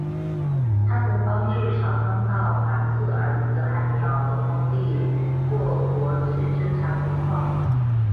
她曾帮助少康到寒浞的儿子寒浇的封地过国去侦察情况。